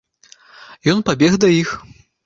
Ён пабег да іх.